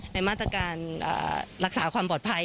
ในมาตรการรักษาความปลอดภัย